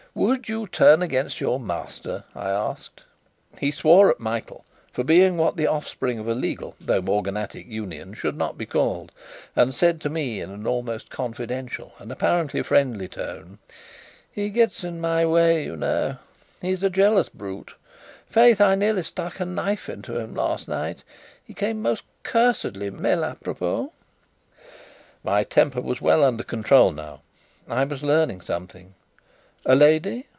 "Would you turn against your master?" I asked. He swore at Michael for being what the offspring of a legal, though morganatic, union should not be called, and said to me in an almost confidential and apparently friendly tone: "He gets in my way, you know. He's a jealous brute! Faith, I nearly stuck a knife into him last night; he came most cursedly mal àpropos!" My temper was well under control now; I was learning something. "A lady?"